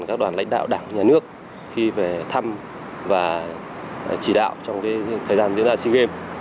các đoàn lãnh đạo đảng nhà nước khi về thăm và chỉ đạo trong thời gian diễn ra sea games